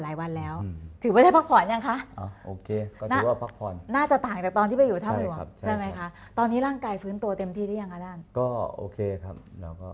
หลายวันแล้วถือว่าได้พักผ่อนยังคะโอเคก็ถือว่าพักผ่อนน่าจะต่างจากตอนที่ไปอยู่ท่ามห่วงใช่ไหมคะตอนนี้ร่างกายฟื้นตัวเต็มที่ได้ยังคะด้านก็โอเคครับแล้ว